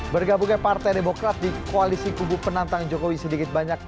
bergabungnya partai demokrat di koalisi kubu penantang jokowi sedikit banyak